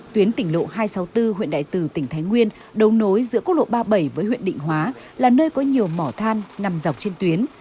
tuyến tỉnh lộ hai trăm sáu mươi bốn huyện đại từ tỉnh thái nguyên đấu nối giữa quốc lộ ba mươi bảy với huyện định hóa là nơi có nhiều mỏ than nằm dọc trên tuyến